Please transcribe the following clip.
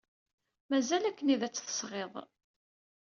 Mazal akken ad tt-tesseɣsid.